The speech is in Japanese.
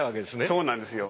そうなんですよ。